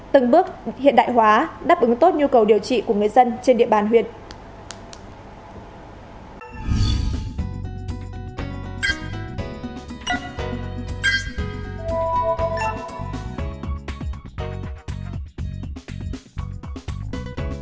từng bước hiện đại hóa đáp ứng tốt nhu cầu điều trị của người dân trên địa bàn huyện